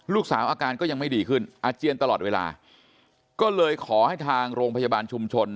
อาการก็ยังไม่ดีขึ้นอาเจียนตลอดเวลาก็เลยขอให้ทางโรงพยาบาลชุมชน